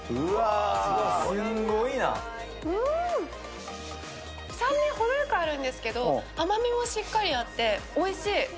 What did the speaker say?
うん、酸味がほどよくあるんですけど、甘みもしっかりあっておいしい。